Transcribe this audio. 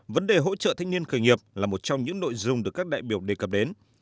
vấn đề hỗ trợ thanh niên khởi nghiệp là một trong những nội dung được các đại biểu đề cập đến